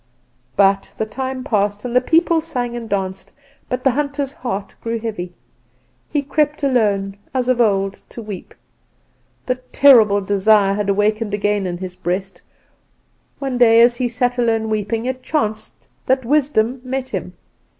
"But the time passed, and the people sang and danced; but the hunter's heart grew heavy. He crept alone, as of old, to weep; the terrible desire had awakened again in his breast. One day, as he sat alone weeping, it chanced that Wisdom met him.